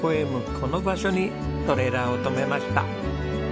この場所にトレーラーを止めました。